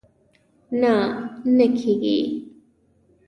نه، نه کېږي